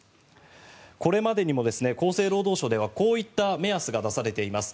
これまでにも厚生労働省ではこういった目安が出されています。